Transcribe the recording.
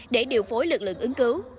để điều phối lực lượng ứng cứu